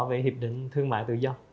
về hiệp định thương mại tự do